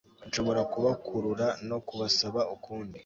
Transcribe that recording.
nshobora kubakurura no kubasaba ukundi